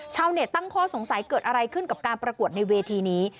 ชาวเน็ตตั้งข้อสงสัยเกิดอะไรขึ้นกับการประกวดในเวทีนี้